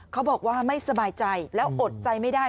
เขาบอกว่าไม่สบายใจแล้วอดใจไม่ได้